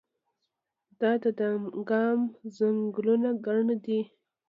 د دانګام ځنګلونه ګڼ دي